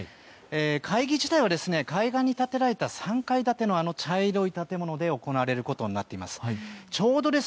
会議自体は海岸に立てられた３階建ての茶色い建物で行われることになっています。